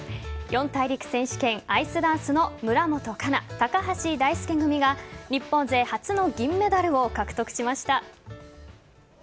四大陸選手権アイスダンスの村元哉中・高橋大輔組が日本勢初の銀メダルを獲得しました。